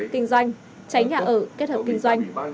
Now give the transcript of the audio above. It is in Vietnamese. kinh doanh cháy nhà ở kết hợp kinh doanh